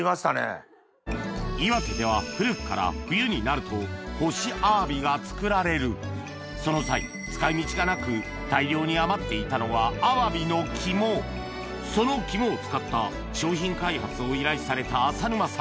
岩手では古くから冬になると干しアワビが作られるその際使い道がなくその肝を使った商品開発を依頼された浅沼さん